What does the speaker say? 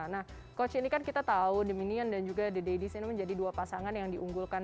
nah coach ini kan kita tahu the minion dan juga the daddies ini menjadi dua pasangan yang diunggulkan